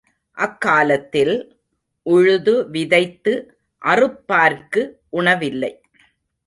அக்காலத்தில், உழுது விதைத்து, அறுப்பார்க்கு உணவில்லை.